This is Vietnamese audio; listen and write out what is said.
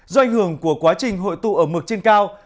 do ảnh hưởng của quá trình hội tụ ở mực trên cao